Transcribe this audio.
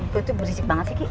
gue tuh berisik banget sih ki